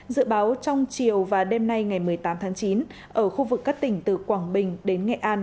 dự báo trong chiều và đêm nay ngày một mươi tám tháng chín ở khu vực các tỉnh từ quảng bình đến nghệ an